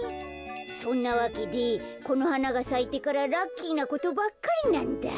そんなわけでこの花がさいてからラッキーなことばっかりなんだ。